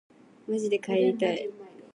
まじで帰りたい